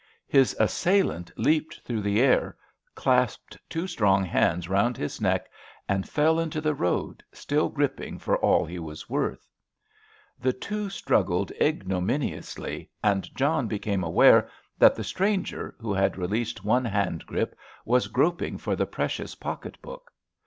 His assailant leaped through the air, clasped two strong hands round his neck, and fell into the road, still gripping for all he was worth. The two struggled ignominiously, and John became aware that the stranger, who had released one hand grip, was groping for the precious pocket book.